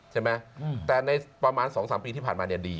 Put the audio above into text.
ใช่ไหมแต่ในประมาณ๒๓ปีที่ผ่านมาเนี่ยดี